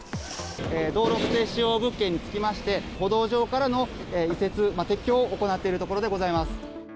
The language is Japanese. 道路不正使用物件につきまして、歩道上からの移設、撤去を行っているところでございます。